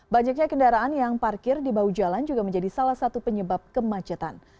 banyaknya kendaraan yang parkir di bahu jalan juga menjadi salah satu penyebab kemacetan